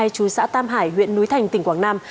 chú xã tam hải huyện núi thành tỉnh quảng nam